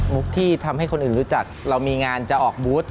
ที่ทำให้คนอื่นรู้จักเรามีงานจะออกบูธ